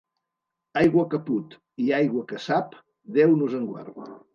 Aigua que put i aigua que sap, Déu nos en guard.